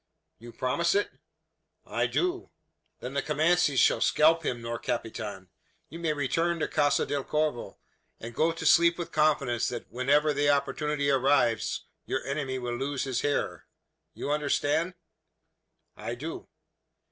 "You promise it?" "I do." "Then the Comanches shall scalp him, nor capitan. You may return to Casa del Corvo, and go to sleep with confidence that whenever the opportunity arrives, your enemy will lose his hair. You understand?" "I do."